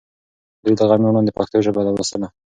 دوی له غرمې وړاندې پښتو ژبه لوستله.